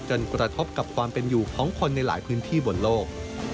กระทบกับความเป็นอยู่ของคนในหลายพื้นที่บนโลก